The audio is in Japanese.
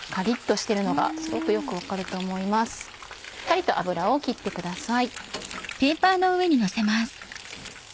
しっかりと油を切ってください。